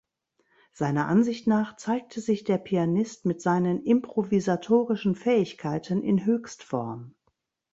Seiner Ansicht nach zeigte sich der Pianist mit seinen improvisatorischen Fähigkeiten in Höchstform.